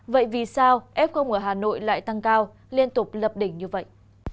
vậy vì sao f ở hà nội lại tăng cao liên tục lập đỉnh như vậy